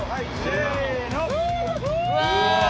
せの！